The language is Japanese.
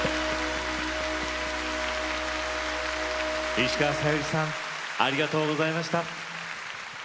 石川さゆりさんありがとうございました。